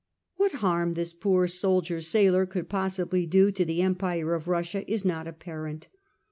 What harm this poor soldier sailor could possibly do to the empire of Russia is not apparent.